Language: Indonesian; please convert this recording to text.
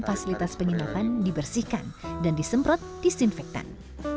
fasilitas penginapan dibersihkan dan disemprot disinfektan